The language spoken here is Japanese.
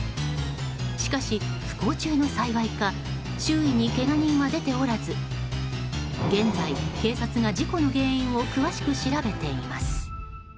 しかし不幸中の幸いか周囲に、けが人は出ておらず現在、警察が事故の原因を詳しく調べています。